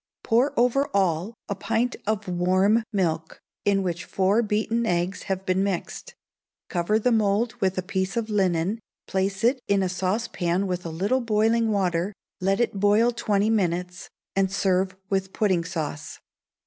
Pour over all a pint of warm milk, in which four beaten eggs have been mixed; cover the mould with a piece of linen, place it in a saucepan with a little boiling water, let it boil twenty minutes, and serve with pudding sauce.